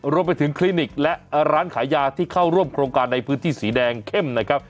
รวมไปถึงคลินิกและร้านขายยาที่เข้าร่วมโครงการในพื้นที่สีแดงเข้มนะครับ